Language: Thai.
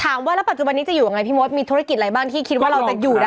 ถามว่าแล้วปัจจุบันนี้จะอยู่ยังไงพี่มดมีธุรกิจอะไรบ้างที่คิดว่าเราจะอยู่ได้